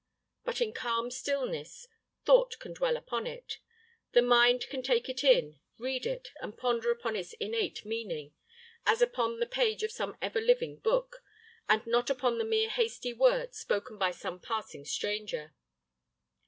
But in calm stillness, thought can dwell upon it; the mind can take it in, read it, and ponder upon its innate meaning, as upon the page of some ever living book, and not upon the mere hasty word spoken by some passing stranger.